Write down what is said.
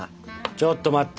ちょっと待って。